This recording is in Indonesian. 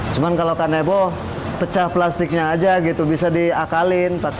cuma kalau kanebo pecah plastiknya aja gitu bisa diakalin